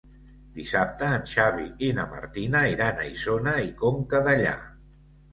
Dissabte en Xavi i na Martina iran a Isona i Conca Dellà.